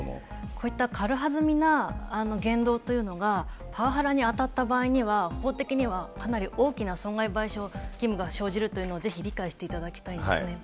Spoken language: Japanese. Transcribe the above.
こういった軽はずみな言動というのが、パワハラに当たった場合には、法的にはかなり大きな損害賠償義務が生じるというのをぜひ理解していただきたいんですね。